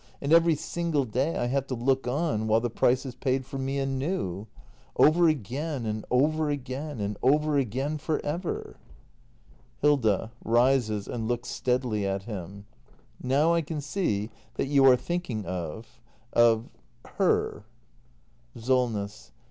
And every single day I have to look on while the price is paid for me anew. Over again, and over again — and over again for ever! Hilda. [Rises and looks steadily at him.] Now I can see that you are thinking of — of her. act ii] THE MASTER BUILDER 353 SOLNESS.